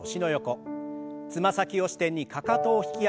つま先を支点にかかとを引き上げて下ろします。